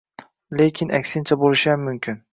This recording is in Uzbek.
Lekin, aksincha bo‘lishiyam mumkin.